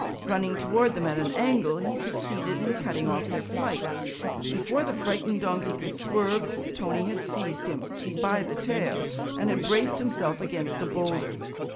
Running toward them at an angle, he succeeded in cutting off their flight. Before the frightened donkey could swerve, Tony had seized him by the tail and had braced himself against a boulder.